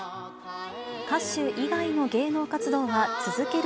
歌手以外の芸能活動は続ける